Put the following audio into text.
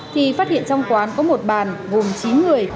thì phát hiện trong quán có một bàn gồm chín người